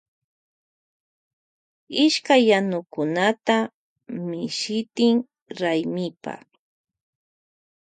Ishkay yanukunata mishitin raymipa.